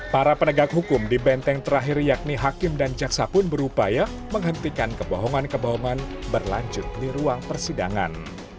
para penegak hukum di benteng terakhir yakni hakim dan jaksa pun berupaya menghentikan kebohongan kebohongan berlanjut di ruang persidangan